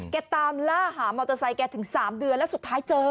ตามล่าหามอเตอร์ไซค์แกถึง๓เดือนแล้วสุดท้ายเจอ